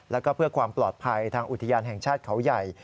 แล้วก็เพื่อความปลอดภัยทางอุทยานแห่งชาติเขาใหญ่